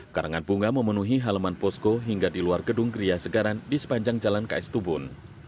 karangan bunga memenuhi halaman posko hingga di luar gedung gria segaran di sepanjang jalan ks tubun